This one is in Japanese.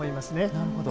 なるほど。